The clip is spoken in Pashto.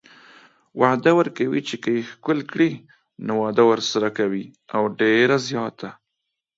وعده ورکوي چې که يې ښکل کړي نو واده ورسره کوي او ډيره زياته